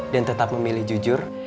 dan tetap memilih jujur